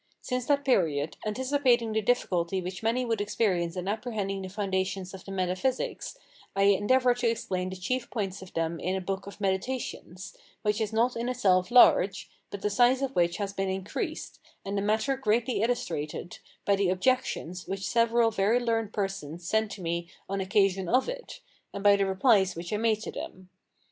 Since that period, anticipating the difficulty which many would experience in apprehending the foundations of the Metaphysics, I endeavoured to explain the chief points of them in a book of Meditations, which is not in itself large, but the size of which has been increased, and the matter greatly illustrated, by the Objections which several very learned persons sent to me on occasion of it, and by the Replies which I made to them.